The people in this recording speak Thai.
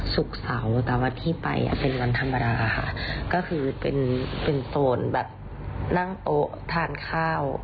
ศุกร์เสาร์ตามวันที่ไปอ่ะเป็นวันธรรมดาค่ะก็คือเป็นเป็นโซนแบบนั่งโต๊ะทานข้าว